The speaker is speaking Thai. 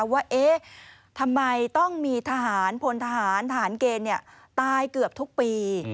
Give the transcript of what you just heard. ว่าเอ๊ะทำไมต้องมีทหารพลทหารทหารเกณฑ์ตายเกือบทุกปี